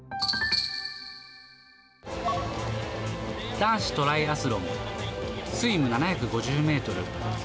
男子トライアスロン、スイム７５０メートル。